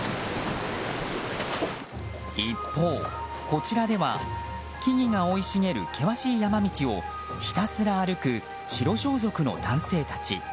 一方、こちらでは木々が生い茂る険しい山道をひたすら歩く、白装束の男性たち。